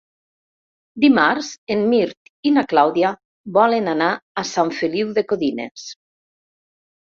Dimarts en Mirt i na Clàudia volen anar a Sant Feliu de Codines.